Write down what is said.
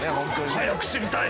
早く知りたい！